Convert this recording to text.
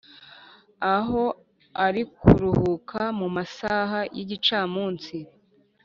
aho arikuruhuka mumasaha yigicamusi